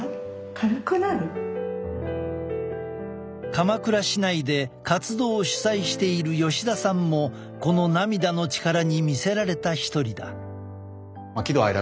鎌倉市内で活動を主催している吉田さんもこの涙の力に魅せられた一人だ。